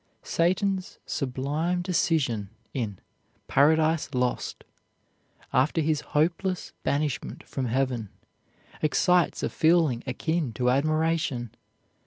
Satan's sublime decision in "Paradise Lost," after his hopeless banishment from heaven, excites a feeling akin to admiration.